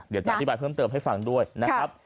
เดี๋ยวจะอธิบายเพิ่มเติมให้ฟังด้วยนะครับ